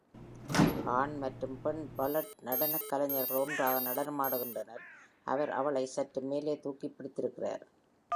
ஆண் மற்றும் பெண் பாலட் நடனக் கலைஞர்கள் ஒன்றாக நடனமாடுகின்றனர், அவர் அவளை சற்று மேலே தூக்கிப் பிடித்திருக்கிறார்.